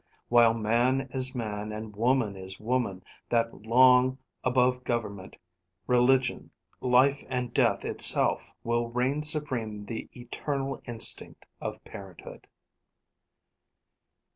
While man is man, and woman is woman, that long, above government, religion, life and death itself, will reign supreme the eternal instinct of parenthood."